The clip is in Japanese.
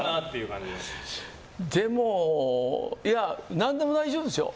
何でも大丈夫ですよ。